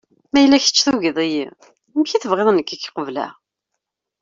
Ma yella kečč tugiḍ-iyi, amek i tebɣiḍ nekk ad k-qebleɣ.